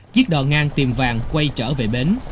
chiếc đò ngang tìm vàng quay trở về bến